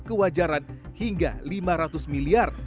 kewajaran hingga lima ratus miliar